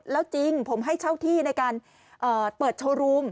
แล้วจริงผมให้เช่าที่ในการเปิดโชว์รูม